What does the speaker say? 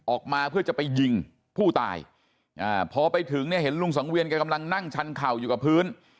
ออกมาเพื่อจะไปยิงผู้ตายพอไปถึงเนี่ยเห็นลุงสังเวียนแกกำลังนั่งชันเข่าอยู่กับพื้น